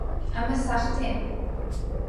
ئەمە ساختەیە؟